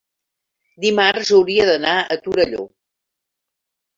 dimarts hauria d'anar a Torelló.